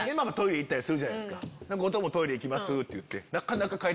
後藤も「トイレ行きます」って。